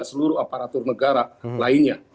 seluruh aparatur negara lainnya